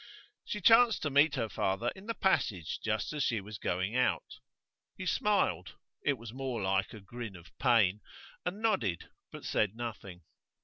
She chanced to meet her father in the passage just as she was going out. He smiled (it was more like a grin of pain) and nodded, but said nothing.